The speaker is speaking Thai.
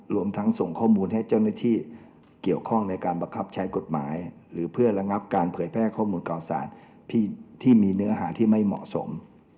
รวมทั้งส่งข้อมูลให้เจ้าหน้าที่เกี่ยวข้องในการบังคับใช้กฎหมายหรือเพื่อระงับการเผยแพร่ข้อมูลข่าวสารที่มีเนื้อหาที่ไม่เหมาะสม